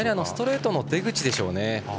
ストレートの出口ですね。